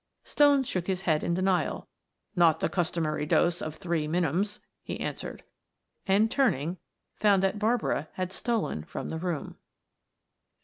Stone shook his head in denial. "Not the customary dose of three minims," he answered, and turning, found that Barbara had stolen from the room.